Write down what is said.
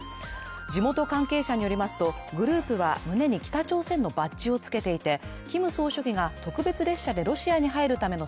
地元関係者によりますと、グループは胸に北朝鮮のバッジを着けていて、キム総書記が特別列車でロシアに入るための